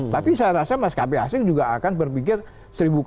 tapi saya rasa maskapai asing juga akan berpikir seribu kali lagi masuk ke indonesia